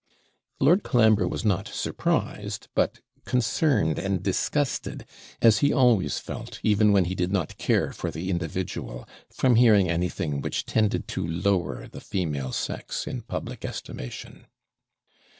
Lord Colambre was not surprised, but concerned and disgusted, as he always felt, even when he did not care for the individual, from hearing anything which tended to lower the female sex in public estimation.